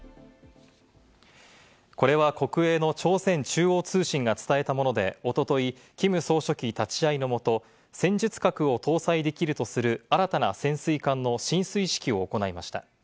これは国営の朝鮮中央通信が伝えたもので、おとといキム総書記立会いのもと、戦術核を搭載できるとする新たな潜水艦の進水式を行いました。